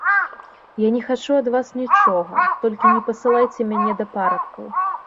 Я не хачу ад вас нічога, толькі не пасылайце мяне да парабкаў.